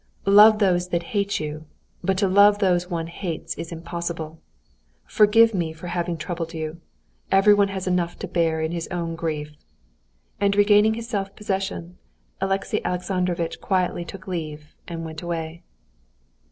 "Love those that hate you, but to love those one hates is impossible. Forgive me for having troubled you. Everyone has enough to bear in his own grief!" And regaining his self possession, Alexey Alexandrovitch quietly took leave and went away.